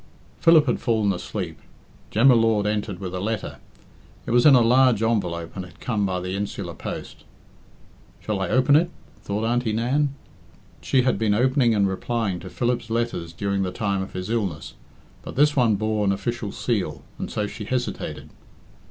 Philip had fallen asleep. Jem y Lord entered with a letter. It was in a large envelope and had come by the insular post. "Shall I open it?" thought Auntie Nan. She had been opening and replying to Philip's letters during the time of his illness, but this one bore an official seal, and so she hesitated.